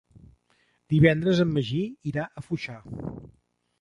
Divendres en Magí irà a Foixà.